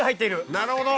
なるほど！